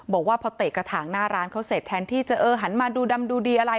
บอกว่าพอเตะกระถางหน้าร้านเขาเสร็จแทนที่จะเออหันมาดูดำดูดีอะไร